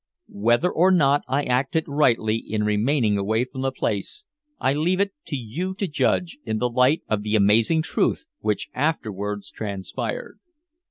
Whether or not I acted rightly in remaining away from the place, I leave it to you to judge in the light of the amazing truth which afterwards transpired.